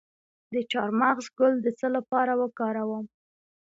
د چارمغز ګل د څه لپاره وکاروم؟